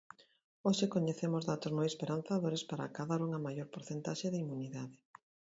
Hoxe coñecemos datos moi esperanzadores para acadar unha maior porcentaxe de inmunidade.